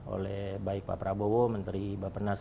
oleh baik pak prabowo menteri bapak penas